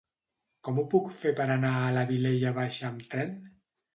Com ho puc fer per anar a la Vilella Baixa amb tren?